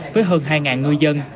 với hơn hai người dân